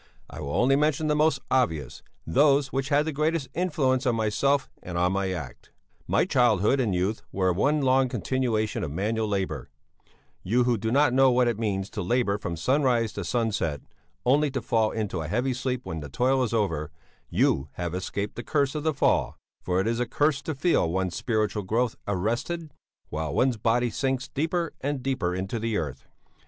I will only mention the most obvious, those which had the greatest influence on myself and on my act. "'My childhood and youth were one long continuation of manual labour; you who do not know what it means to labour from sunrise to sunset, only to fall into a heavy sleep when the toil is over, you have escaped the curse of the fall, for it is a curse to feel one's spiritual growth arrested while one's body sinks deeper and deeper into the earth.